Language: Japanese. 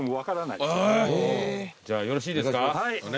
じゃあよろしいですか？